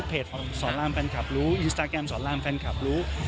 สอนรามแฟนคลับรู้อินสตาแกรมสอนรามแฟนคลับรู้